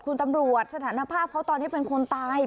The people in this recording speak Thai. คุณตำรวจสถานภาพเขาตอนนี้เป็นคนตาย